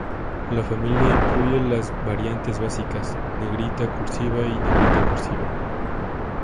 La familia incluye las variantes básicas: negrita, cursiva y negrita cursiva.